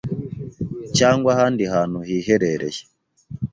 cyangwa ahandi ahantu hiherereye,